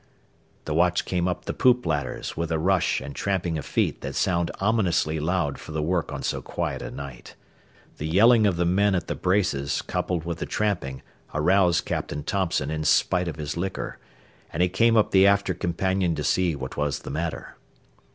The watch came up the poop ladders with a rush and tramping of feet that sounded ominously loud for the work on so quiet a night. The yelling of the men at the braces coupled with the tramping aroused Captain Thompson in spite of his liquor, and he came up the after companion to see what was the matter.